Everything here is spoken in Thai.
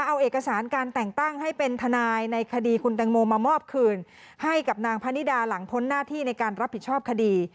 เอาเอกสารการแต่งตั้งให้เป็นทนายในคดีคุณแตงโมมามอบคืนให้กับนางพนิดาหลังพ้นหน้าที่ในการรับผิดชอบคดี